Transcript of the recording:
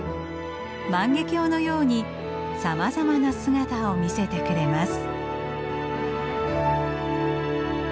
万華鏡のようにさまざまな姿を見せてくれます。